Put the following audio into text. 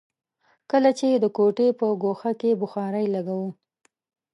کله چې د کوټې په ګوښه کې بخارۍ لګوو.